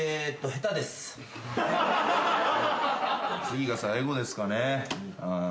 次が最後ですかね。